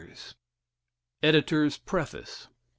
EDITORS' PREFACE.